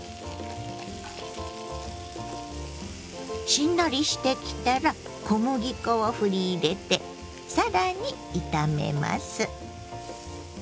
しんなりしてきたら小麦粉をふり入れて更に炒めます。